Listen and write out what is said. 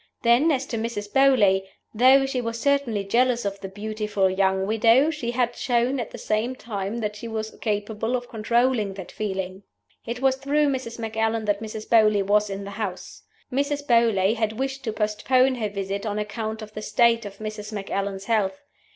Then, as to Mrs. Beauly, though she was certainly jealous of the beautiful young widow, she had shown at the same time that she was capable of controlling that feeling. It was through Mrs. Macallan that Mrs. Beauly was in the house. Mrs. Beauly had wished to postpone her visit on account of the state of Mrs. Macallan's health.